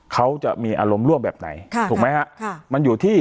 เขาจะมีอารมณ์ร่วมแบบไหนถูกไหมครับ